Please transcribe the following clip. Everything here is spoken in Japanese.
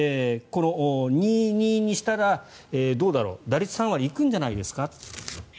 ２、２にしたらどうだろう打率３割行くんじゃないですかと。